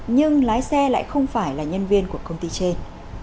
nhưng lái xe lại không phải là nhân viên của công ty trên